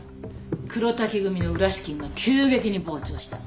黒瀧組の裏資金が急激に膨張した。